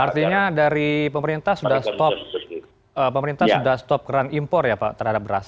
artinya dari pemerintah sudah stop keran impor ya pak terhadap beras